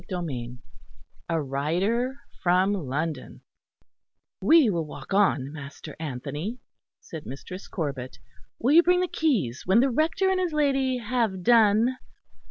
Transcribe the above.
CHAPTER V A RIDER FROM LONDON "We will walk on, Master Anthony," said Mistress Corbet. "Will you bring the keys when the Rector and his lady have done?"